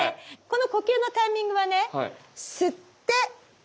この呼吸のタイミングはね吸って吐いて止める。